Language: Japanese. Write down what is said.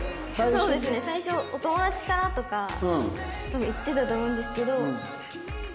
そうですね最初お友達からとか多分言ってたと思うんですけど。